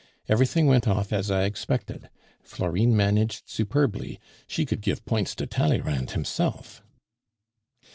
Everything went off as I expected; Florine managed superbly, she could give points to Tallyrand himself."